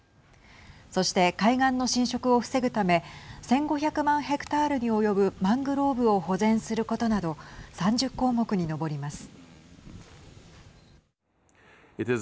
そして、海岸の浸食を防ぐため１５００万ヘクタールに及ぶマングローブを保全することなど３０項目に上ります。